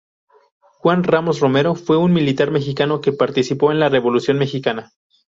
Juan Ramos Romero fue un militar mexicano que participó en la Revolución mexicana.